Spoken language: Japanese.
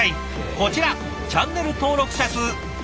こちらチャンネル登録者数１，０００万